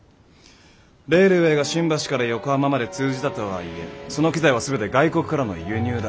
レールウェイが新橋から横浜まで通じたとはいえその機材は全て外国からの輸入だ。